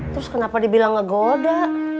terus kenapa dibilang ngegoda